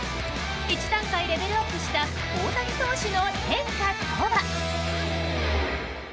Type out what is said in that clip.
一段階レベルアップした大谷選手の変化とは。